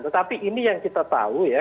tetapi ini yang kita tahu ya